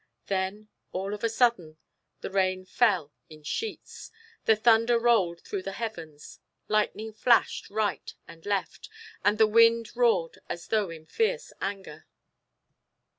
Then, all of a sudden, the rain fell in sheets, the thunder rolled through the heavens, lightning flashed right and left, and the wind roared as though in fierce anger.